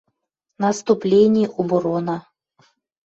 Наступлени, оборона —